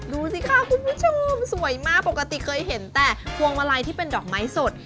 ดูสิค่ะคุณผู้ชมสวยมากปกติเคยเห็นแต่พวงมาลัยที่เป็นดอกไม้สด